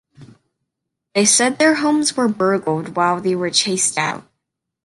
They said their homes were burgled while they were chased out.